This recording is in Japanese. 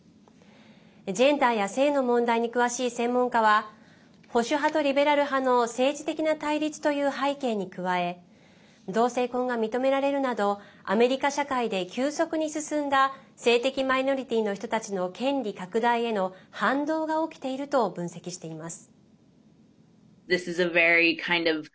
ジェンダーや性の問題に詳しい専門家は保守派とリベラル派の政治的な対立という背景に加え同性婚が認められるなどアメリカ社会で急速に進んだ性的マイノリティーの人たちの権利拡大への反動が起きていると分析しています。